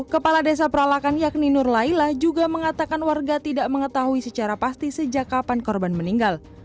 kepala desa peralakan yakni nur laila juga mengatakan warga tidak mengetahui secara pasti sejak kapan korban meninggal